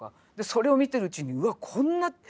それを見てるうちにうわっこんな！